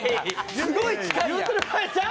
すごい近いやん。